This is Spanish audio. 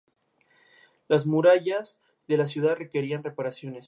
Las murallas de la ciudad requerían reparaciones.